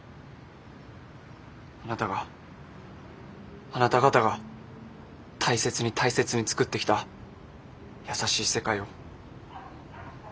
あなたがあなた方が大切に大切に作ってきた優しい世界を。